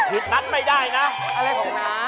ผิดนั้นไม่ได้นะ